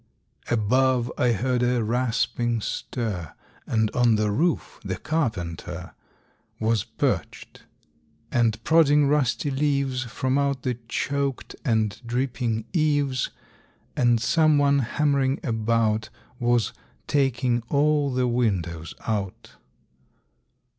Above I heard a rasping stir And on the roof the carpenter Was perched, and prodding rusty leaves From out the choked and dripping eaves And some one, hammering about, Was taking all the windows out.